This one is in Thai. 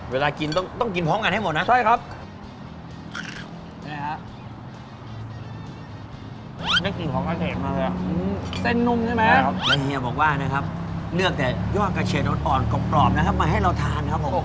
เป็นกุ้งนะนี่ครับได้เรียบบอกว่านะครับเลือกแต่ยอกกระเชดออนอดอร่อยกรอบนะครับมาให้เราทานนะครับ